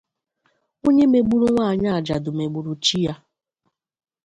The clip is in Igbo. Onye megburu nwaanyị ajadụ mègbùrù chi ya